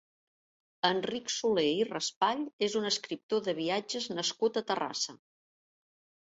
Enric Soler i Raspall és un escriptor de viatges nascut a Terrassa.